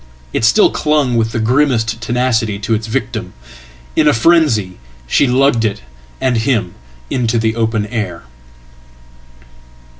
It still clung with the grimmest tenacity to its victim. In afrenzy, she lugged it and him into the open air.